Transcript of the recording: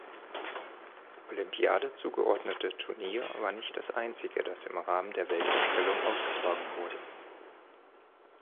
Olympiade zugeordnete Turnier war nicht das einzige, das im Rahmen der Weltausstellung ausgetragen wurde.